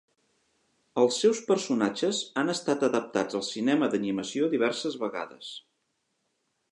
Els seus personatges han estat adaptats al cinema d'animació diverses vegades.